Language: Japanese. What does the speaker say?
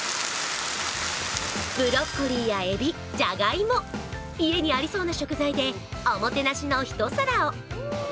ブロッコリーやえび、じゃがいも家にありそうな食材でおもてなしの一皿を。